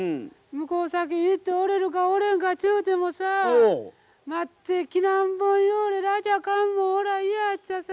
向こう先行っておれるかおれんかちゅうてもさ待ってきらんぼうようおら嫌やっちゃさ。